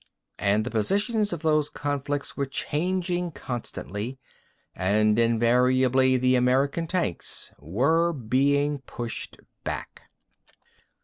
And the positions of those conflicts were changing constantly, and invariably the American tanks were being pushed back.